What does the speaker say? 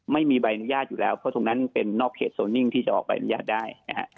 ไม่มีใบอนุญาตอยู่แล้วเพราะตรงนั้นเป็นนอกเขตโซนิ่งที่จะออกใบอนุญาตได้นะฮะ